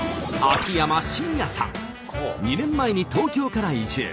２年前に東京から移住。